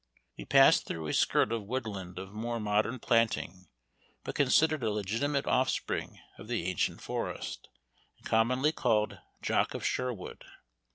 We passed through a skirt of woodland, of more modern planting, but considered a legitimate offspring of the ancient forest, and commonly called Jock of Sherwood.